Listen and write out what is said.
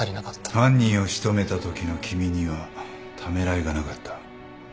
犯人を仕留めたときの君にはためらいがなかった。